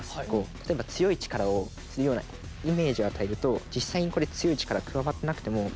例えば強い力をするようなイメージを与えると実際にこれ強い力加わってなくても。